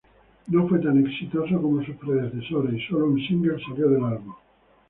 No fue tan exitoso como sus predecesores y solo un single salió del álbum.